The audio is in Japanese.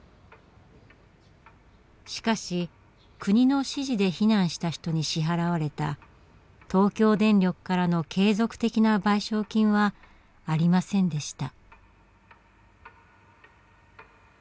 しかし国の指示で避難した人に支払われた東京電力からの継続的な賠償金はありませんでした。